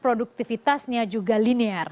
produktifitasnya juga linear